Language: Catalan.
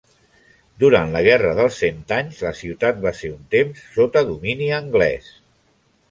Durant la Guerra dels Cent Anys, la ciutat va ser un temps sota domini anglès.